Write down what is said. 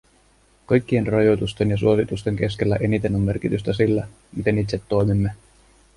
Kaikkien rajoitusten ja suositusten keskellä eniten on merkitystä sillä, miten itse toimimme.